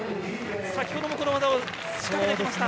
先ほどもこの技を仕掛けてきました。